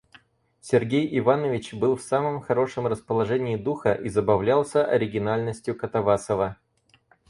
Сергей Иванович был в самом хорошем расположении духа и забавлялся оригинальностью Катавасова.